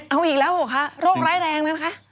เอาอีกแล้วเหรอคะโรคร้ายแรงนะคะ